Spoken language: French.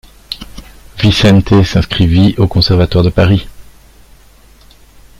Vicente s’inscrivit au conservatoire de Paris.